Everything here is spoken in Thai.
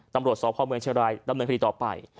ตำรวจสพเมืองเชียงรายดำเนินคดีต่อไป